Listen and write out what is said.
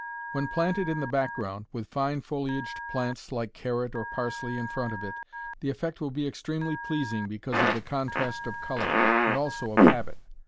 When planted in the background, with fine foliaged plants like carrot or parsley in front of it, the effect will be extremely pleasing because of the contrast of color, and also of habit.